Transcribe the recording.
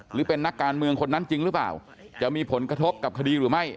หรือเป็นนักการเมืองคนนั้นจริงหรือเปล่าจะมีผลกระทบกับคดีหรือไม่